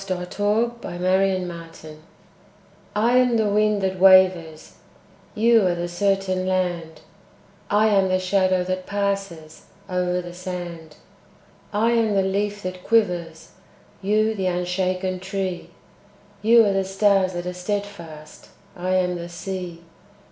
Zoë Akins I am the Wind I AM the wind that wavers, You are the certain land; I am the shadow that passes Over the sand. I am the leaf that quivers, You, the unshaken tree; You are the stars that are steadfast, I am the sea.